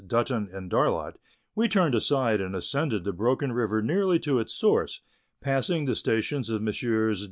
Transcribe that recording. Button and Darlot, we turned aside and ascended the Broken River nearly to its source, passing the stations of Messrs.